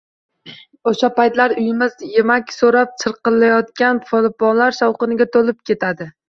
Oʻsha paytlar uyimiz yemak soʻrab chirqillayotgan polaponlar shovqiniga toʻlib ketadi.